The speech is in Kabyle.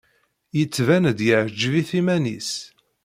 Yettban-d yeɛjeb-it yiman-is.